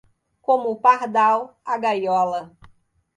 Como o pardal, a gaiola.